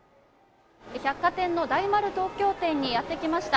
百貨店の大丸東京店にやってきました。